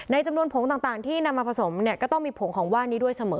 จำนวนผงต่างที่นำมาผสมเนี่ยก็ต้องมีผงของว่านนี้ด้วยเสมอ